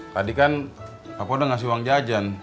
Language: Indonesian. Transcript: tadi kan aku udah ngasih uang jajan